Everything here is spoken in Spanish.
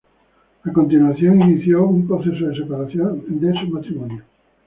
A continuación, inició un proceso de separación en su matrimonio.